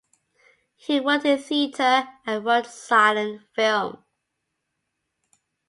He worked in theatre and wrote silent film.